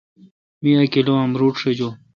می اہ کلو امرود شجون۔